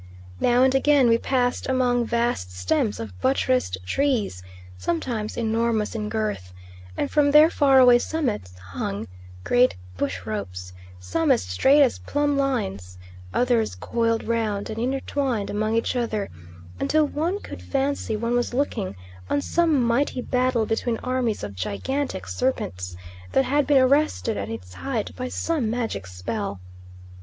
Now and again we passed among vast stems of buttressed trees, sometimes enormous in girth; and from their far away summits hung great bush ropes, some as straight as plumb lines, others coiled round, and intertwined among each other, until one could fancy one was looking on some mighty battle between armies of gigantic serpents, that had been arrested at its height by some magic spell.